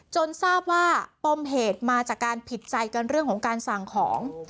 ทราบว่าปมเหตุมาจากการผิดใจกันเรื่องของการสั่งของ